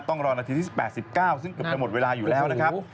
ต้องรอนาทีที่๑๘๑๙ซึ่งเกือบจะหมดเวลาอยู่แล้วนะครับ